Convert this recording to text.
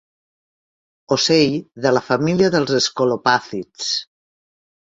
Ocell de la família dels escolopàcids.